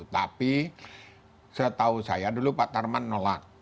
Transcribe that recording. tapi saya tahu dulu pak tarman nolak